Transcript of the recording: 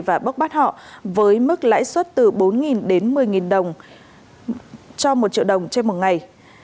và bốc bắt họ với mức lãi suất từ bốn đến một mươi đồng cho một triệu đồng trên một ngày